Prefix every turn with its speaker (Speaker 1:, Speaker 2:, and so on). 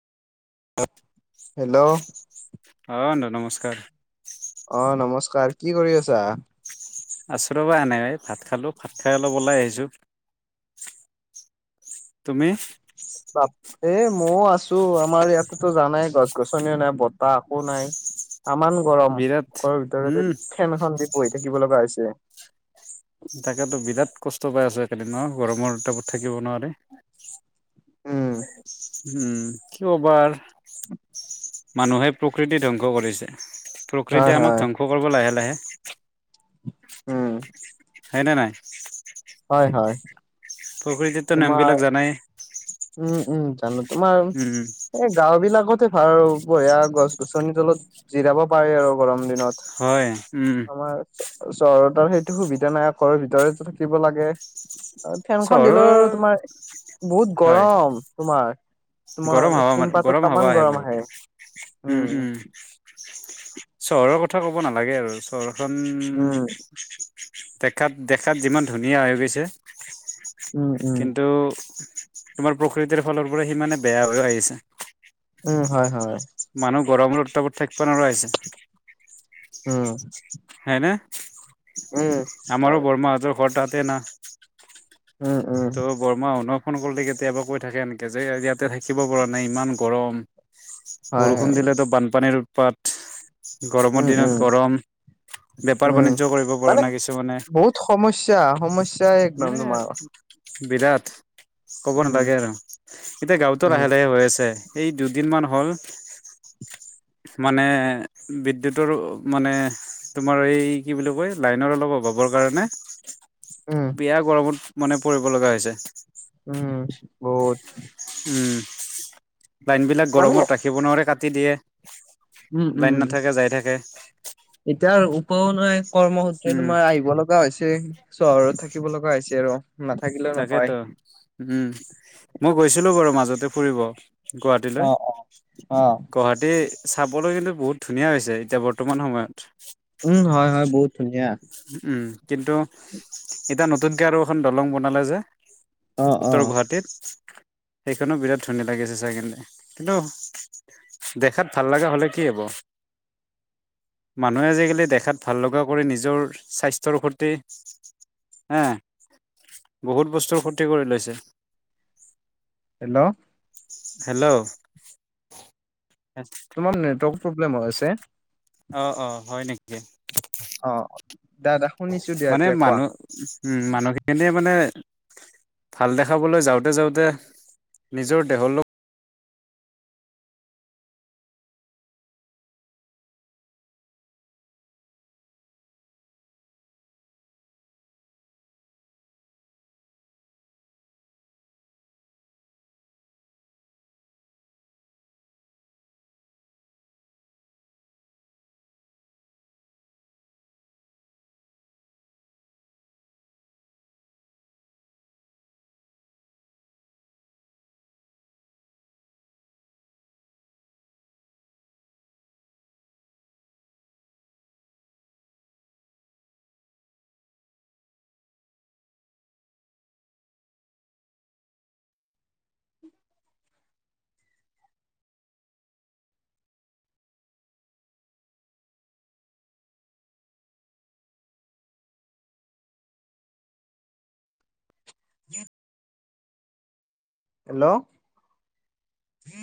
Speaker 1: Hello
Speaker 2: অ ন নমস্কাৰ।
Speaker 1: অ নমস্কাৰ কি কৰি আছা?
Speaker 2: আছো ৰবা এনেই এ ভাত খালো ভাত খাই অলপ ওলাই আহিছো তুমি
Speaker 1: বাপ এ ময়ও আছো আমাৰ ইয়াতেতো জানাই গছ গছনিও নাই বতাহ আকো নাই তামাম গৰম
Speaker 2: বিৰাট
Speaker 1: ঘৰৰ ভিতৰতে
Speaker 2: উম
Speaker 1: ফেনখন দি বহি থাকিব লগা হৈছে
Speaker 2: তাকেতো বিৰাট কষ্ট পাই আছোঁ একেদিন অ গৰমৰ উৎতাপত থাকিব নোৱাৰি
Speaker 1: উম
Speaker 2: [unintelligible] উম কি কবা আৰ মানুহে প্ৰকৃতি ধ্বংস কৰিছে
Speaker 1: হয়
Speaker 2: প্ৰকৃতিয়ে আমাক
Speaker 1: হয়।
Speaker 2: ধ্বংস কৰিব লাহে লাহে
Speaker 1: উম
Speaker 2: হয়নে নাই
Speaker 1: হয় হয়
Speaker 2: প্ৰকৃতিতো
Speaker 1: তোমাৰ
Speaker 2: নেমবিলাক জানাই
Speaker 1: উম উম জানো তোমাৰ
Speaker 2: উম
Speaker 1: এই গাঁও বিলাকতে আও বঢ়িয়া গছ গছনিৰ তলত জিৰাব পাৰে আৰু গৰম দিন নত
Speaker 2: হয় উম
Speaker 1: আমাৰ চ চহৰত আৰু সেইটো সুবিধা নাই ঘৰৰ ভিতৰতে থাকিব লাগে ফেনখন দিলেও আৰু
Speaker 2: চহৰৰ
Speaker 1: তোমাৰ বহুত
Speaker 2: হয়
Speaker 1: গৰম তোমাৰ
Speaker 2: গৰম
Speaker 1: তোমাৰ
Speaker 2: হাৱা
Speaker 1: টিং
Speaker 2: মান
Speaker 1: পাতত
Speaker 2: গৰম হাৱা
Speaker 1: তামান
Speaker 2: আহে বহুত উম উম চহৰৰ কথা ক'ব নালাগে আৰু চহৰখন
Speaker 1: উম
Speaker 2: দেকাত দেখাত যিমান ধুনীয়া হৈ গৈছে
Speaker 1: উম উম
Speaker 2: কিন্তু তোমাৰ প্ৰকৃতিৰ ফালৰ পৰা সিমানে বেয়া হৈ আহিছে
Speaker 1: উম হয় হয়
Speaker 2: মানুহ গৰমত উত্তাপত থাকবা নোৱাৰা হৈছে
Speaker 1: উম
Speaker 2: হয়নে।
Speaker 1: উম
Speaker 2: আমাৰো
Speaker 1: হয়
Speaker 2: বৰমাহঁতৰ ঘৰ তাতে না।
Speaker 1: উম'। উম
Speaker 2: ত' বৰমা শুনক ফোন কৰলে কেতিয়াবা কৈ থাকে এনেকে যে ইয়াতে থাকিব পৰা নাই ইমান গৰম।
Speaker 1: [inaudible]
Speaker 2: বৰষুণ দিলেতো বানপানীৰ উৎপাত। গৰমৰ
Speaker 1: উম উম
Speaker 2: দিনত গৰম বেপাৰ
Speaker 1: উম
Speaker 2: বাণিজ্য কৰিব
Speaker 1: মানে
Speaker 2: পৰা নাই কিছুমানে।
Speaker 1: বহুত সমস্যা সমস্যা একদম তোমাৰ
Speaker 2: এ বিৰাট ক'ব
Speaker 1: উম
Speaker 2: নালাগে আৰু এতিয়া গাঁৱতো
Speaker 1: উম
Speaker 2: লাহে লাহে হৈ আছে। এই দুদিনমান হ'ল
Speaker 1: [inaudible]
Speaker 2: মানে বিদ্যুতৰো মানে তোমাৰ এই কি বুলি কয় লাইনৰ অলপ অভাৱৰ কাৰণে
Speaker 1: উম
Speaker 2: মনে পৰিব লগা হৈছে
Speaker 1: উম বহুত
Speaker 2: উম লাইনবিলাক
Speaker 1: মানে
Speaker 2: গৰমত ৰাখিব নোৱাৰে কাটি দিয়ে লাইন
Speaker 1: উম'উম
Speaker 2: নাথাকে যাই থাকে
Speaker 1: এতিয়া উপায়ও নাই কৰ্মসূত্ৰে
Speaker 2: উম
Speaker 1: তোমাৰ আহিব লগ লগা হৈছে চহৰত থাকিব লগা হৈছে আৰু নাথাকিলেও নহয়
Speaker 2: তাকেতো উম' মই গৈছিলো বাৰু মাজতে ফুৰিব।
Speaker 1: অ
Speaker 2: গুৱাহাটীলৈ
Speaker 1: অ অ
Speaker 2: গুৱাহাটী চাবলৈ কিন্তু বহুত ধুনীয়া হৈছে এতিয়া বৰ্তমান সময়ত।
Speaker 1: উম' হয়-হয় বহুত ধুনীয়া।
Speaker 2: উম' কিন্তু এতিয়া নতুনকে আৰু এখন দলং বনালে যে
Speaker 1: অ অ
Speaker 2: উত্তৰ গুৱাহাটীত সেইখনো বিৰাট ধুনীয়া লাগিছে চাই কেনে কিন্তু দেখাত ভাল লগা হলে কি হব। মানুহে আজিকালি দেখাত ভাল লগা কৰি নিজৰ স্বাস্থ্যৰ ক্ষতি হে বহুত বস্তুৰ ক্ষতি কৰি লৈছে।
Speaker 1: হেল্ল'।
Speaker 2: হেল্ল
Speaker 1: তোমাৰ নেটৱৰ্ক প্ৰব্লেম হৈ আছে।
Speaker 2: অ', অ', হয় নেক।
Speaker 1: অ অ', দাদা শুনিছো দিয়া
Speaker 2: মানে
Speaker 1: এতিয়া কোৱা।
Speaker 2: মানুহ উম' মানুহখিনিয়ে মানে ভাল দেখাবলৈ যাওঁতে যাওঁতে নিজৰ দেহ লও
Speaker 1: [inaudible] হেল্ল'।